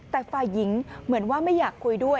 แต่ฝ่ายหญิงเหมือนว่าไม่อยากคุยด้วย